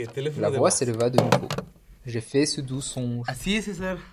La voix s’éleva de nouveau: — J’ai fait ce doux songe.